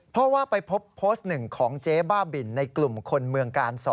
เพราะว่าไปพบโพสต์หนึ่งของเจ๊บ้าบินในกลุ่มคนเมืองกาล๒